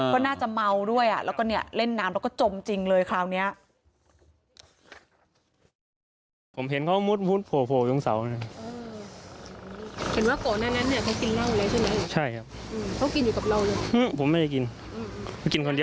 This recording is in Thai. ก็น่าจะเมาด้วยแล้วก็เนี่ยเล่นน้ำแล้วก็จมจริงเลยคราวนี้